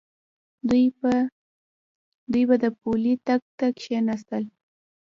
دوی به د پولۍ ټک ته کېناستل.